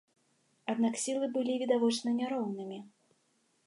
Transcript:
Аднак сілы былі відавочна няроўнымі.